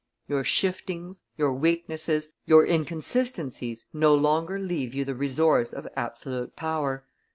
"Your shiftings, your weaknesses, your inconsistencies no longer leave you the resource of absolute power.